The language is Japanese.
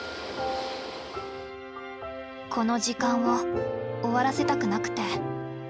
この時間を終わらせたくなくて。